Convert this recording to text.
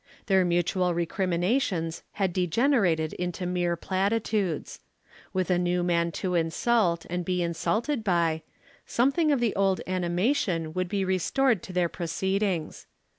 Their mutual recriminations had degenerated into mere platitudes. With a new man to insult and be insulted by, something of the old animation would be restored to their proceedings.